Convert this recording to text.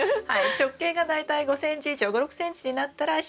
直径が大体５ｃｍ以上５６ｃｍになったら収穫して下さい。